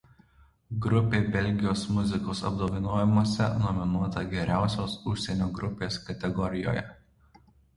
Grupė Belgijos muzikos apdovanojimuose nominuota Geriausios užsienio grupės kategorijoje.